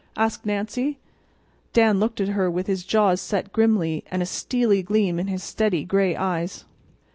asked Nancy. Dan looked at her with his jaws set grimly, and a steely gleam in his steady gray eyes.